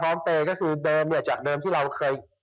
เปย์ก็คือเดิมเนี่ยจากเดิมที่เราเคย